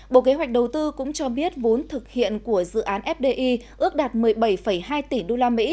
bộ kế hoạch đầu tư cũng cho biết vốn thực hiện của dự án fdi ước đạt một mươi bảy hai tỷ usd